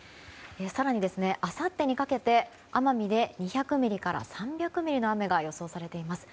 更にあさってにかけて奄美で２００ミリから３００ミリの雨が予想されています。